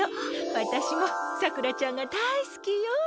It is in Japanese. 私もさくらちゃんが大好きよ。